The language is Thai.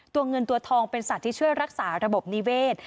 เงินตัวทองเป็นสัตว์ที่ช่วยรักษาระบบนิเวศ